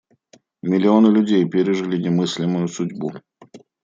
Миллионы людей пережили немыслимую судьбу.